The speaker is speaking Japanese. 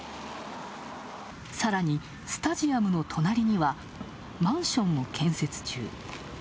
さらに、スタジアムの隣にはマンションも建設中。